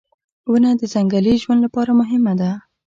• ونه د ځنګلي ژوند لپاره مهمه ده.